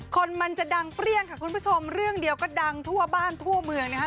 คนมันจะดังเปรี้ยงค่ะคุณผู้ชมเรื่องเดียวก็ดังทั่วบ้านทั่วเมืองนะคะ